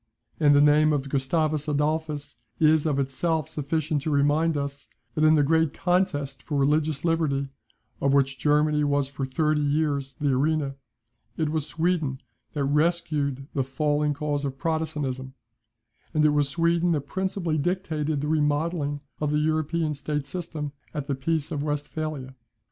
And the name of Gustavus Adolphus is of itself sufficient to remind us, that in the great contest for religious liberty, of which Germany was for thirty years the arena, it was Sweden that rescued the falling cause of Protestantism; and it was Sweden that principally dictated the remodelling of the European state system at the peace of Westphalia.